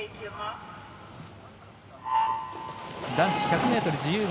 男子１００ｍ自由形。